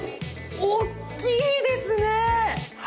おっきいですね！